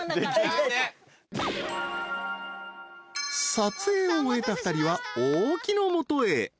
［撮影を終えた２人は大木の元へ］